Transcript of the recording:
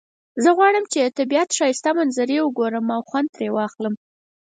زه غواړم چې د طبیعت ښایسته منظری وګورم او خوند ترینه واخلم